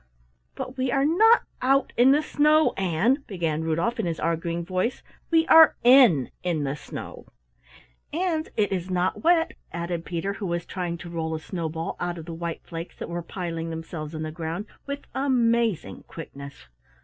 "But we are not out in the snow, Ann," began Rudolf in his arguing voice. "We are in in the snow." "And it is not wet," added Peter who was trying to roll a snowball out of the white flakes that were piling themselves on the ground with amazing quickness.